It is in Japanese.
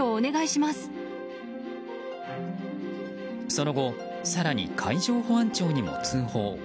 その後更に海上保安庁にも通報。